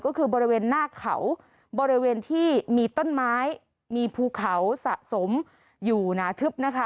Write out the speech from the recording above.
ก็คือบริเวณหน้าเขาบริเวณที่มีต้นไม้มีภูเขาสะสมอยู่หนาทึบนะคะ